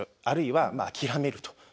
あるいは諦めると。